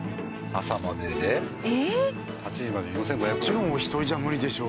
もちろんお一人じゃ無理でしょ。